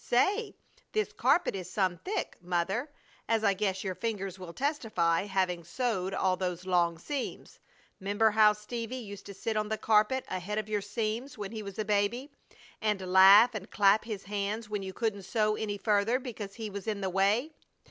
"Say, this carpet is some thick, Mother, as I guess your fingers will testify, having sewed all those long seams. 'Member how Stevie used to sit on the carpet ahead of your seams when he was a baby, and laugh and clap his hands when you couldn't sew any further because he was in the way?"